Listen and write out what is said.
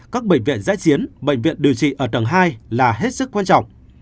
các bệnh viện giãi chiến bệnh viện điều trị ở tầng hai là hết sức quan trọng